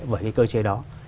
với cái cơ chế đó